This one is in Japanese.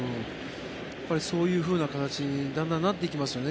そういうふうな形にだんだんなっていきますよね。